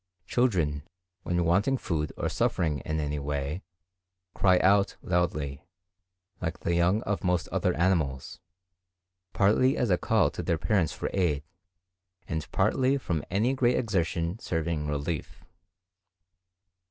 Children, when wanting food or suffering in any way, cry out loudly, like the young of most other animals, partly as a call to their parents for aid, and partly from any great exertion serving relief.